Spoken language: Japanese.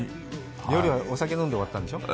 夜はお酒飲んで終わったんでしょう？